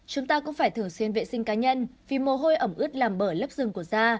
chúng ta cũng phải thường xuyên vệ sinh cá nhân vì mồ hôi ẩm ướt làm bởi lớp rừng của da